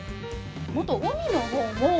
もっと海のほうも。